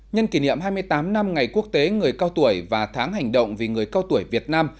nhân kỷ niệm hai mươi tám năm ngày quốc tế người cao tuổi và tháng hành động vì người cao tuổi việt nam